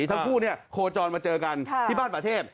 ทั้งคู่โคจรมาเจอกันที่บ้านประเทศ